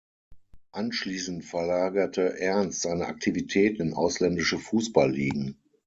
Anschließend verlagerte Ernst seine Aktivitäten in ausländische Fußball-Ligen.